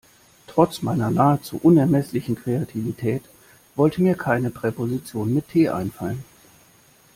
Trotz meiner nahezu unermesslichen Kreativität wollte mir keine Präposition mit T einfallen.